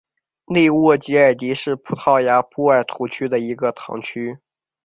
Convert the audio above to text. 内沃吉尔迪是葡萄牙波尔图区的一个堂区。